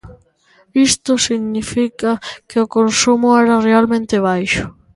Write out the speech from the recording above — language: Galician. Isto significa que o consumo era realmente baixo.